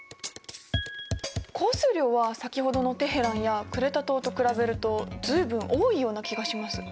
降水量は先ほどのテヘランやクレタ島と比べると随分多いような気がします。